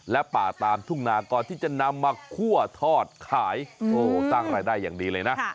และป่าตามทุ่งนาก่อนที่จะนำมาคั่วทอดขายโอ้สร้างรายได้อย่างดีเลยนะ